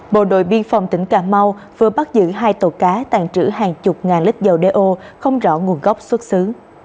bộ đội biên phòng tỉnh cà mau vừa bắt giữ hai tàu cá tàn trữ hàng chục ngàn lít dầu đeo không rõ nguồn gốc xuất xứ